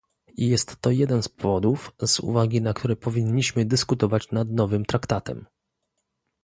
Jest to jeden z powodów, z uwagi na które powinniśmy dyskutować nad nowym Traktatem